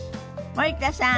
森田さん